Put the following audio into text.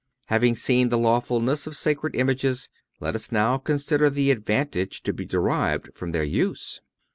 Having seen the lawfulness of sacred images, let us now consider the advantages to be derived from their use.